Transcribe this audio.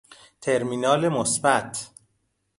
ترمینال مثبت